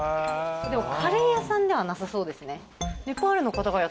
でもカレー屋さんではなさそうですね。